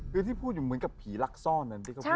คือที่พูดอยู่เหมือนกับผีลักซ่อนนั้นที่เขาพูด